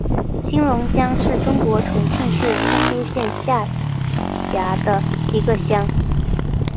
青龙乡是中国重庆市丰都县下辖的一个乡。